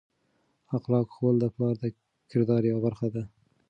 اخلاق ښوول د پلار د کردار یوه برخه ده.